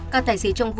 các tài xế trong vụ